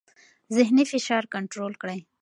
ذهني فشار کنټرول کړئ.